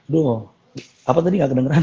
duh apa tadi nggak kedengeran